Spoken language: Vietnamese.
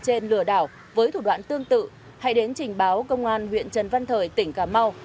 trên lừa đảo với thủ đoạn tương tự hãy đến trình báo công an huyện trần văn thời tỉnh cà mau